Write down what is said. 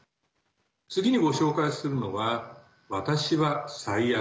次にご紹介するのは「わたしは最悪。」。